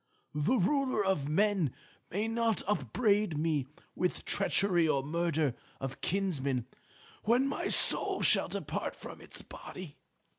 The Ruler of Men may not upbraid me with treachery or murder of kinsmen when my soul shall depart from its body.